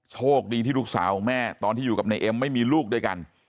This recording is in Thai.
โชคดีที่ลูกสาวของแม่ตอนที่อยู่กับนายเอ็มไม่มีลูกด้วยกัน